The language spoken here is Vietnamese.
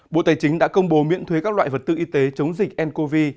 bộ tài chính đã công bố miễn thuế các loại vật tự y tế chống dịch ncov